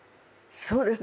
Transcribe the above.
そうですね